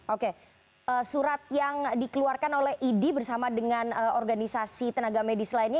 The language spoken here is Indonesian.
oke surat yang dikeluarkan oleh idi bersama dengan organisasi tenaga medis lainnya